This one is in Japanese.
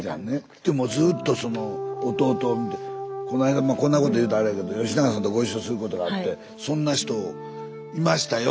でもずっとその「おとうと」を見てこないだこんなこと言うたらあれやけど吉永さんとご一緒することがあって「そんな人いましたよ」